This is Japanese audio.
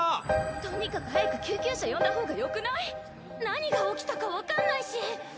とにかく早く救急車呼んだ方がよくない⁉何が起きたか分かんないし！